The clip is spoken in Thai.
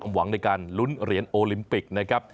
หวังในการลุ้นเหรียญโอลิมปิกนะครับ